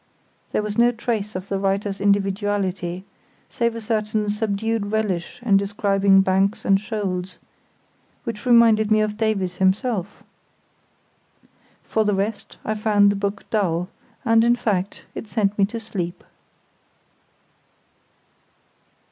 There was no trace of the writer's individuality, save a certain subdued relish in describing banks and shoals, which reminded me of Davies himself. For the rest, I found the book dull, and, in fact, it sent me to sleep.